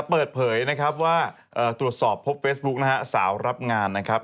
เปิดเผยนะครับว่าตรวจสอบพบเฟซบุ๊กนะฮะสาวรับงานนะครับ